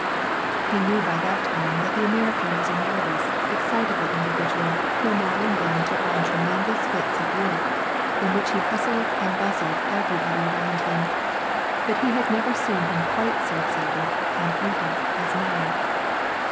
He knew by that time that the American was a nervous, excitable individual who now and then took on tremendous fits of work in which he hustled and bustled everybody around him, but he had never seen him quite so excited and eager as now.